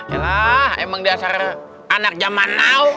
yalah emang dasar anak zaman now